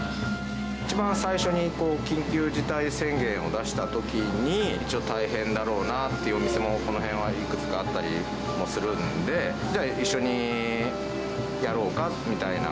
一番最初に緊急事態宣言を出したときに、ちょっと大変だろうなっていうお店もこの辺はいくつかあったりもするんで、じゃあ一緒にやろうかみたいな。